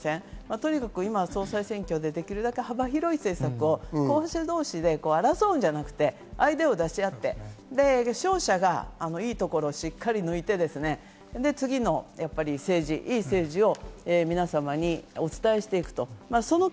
とにかく今は総裁選でできるだけ幅広い政策を、候補者同士で争うのではなく、アイデアを出し合って、いいところをしっかり抜いて政治をしっかりお伝えしていく。